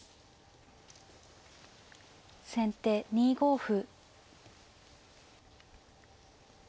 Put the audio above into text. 先手２五歩。